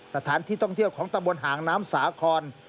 สถานที่ท่องเที่ยวของตะบนหางน้ำสาคร